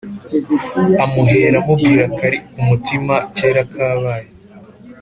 amuhera amubwira akamuri kumutima kera kabaye